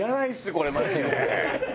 これマジで。